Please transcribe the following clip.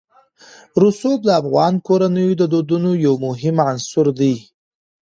رسوب د افغان کورنیو د دودونو یو مهم عنصر دی.